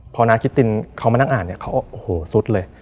พอน้าคิตตินเขามานั่งอ่านเนี่ยเขาโอ้โหสุดเลย